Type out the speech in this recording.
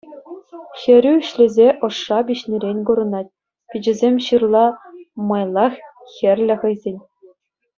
Хӗрӳ ӗҫлесе ӑшша пиҫнӗрен курӑнать, пичӗсем ҫырла майлах хӗрлӗ хӑисен.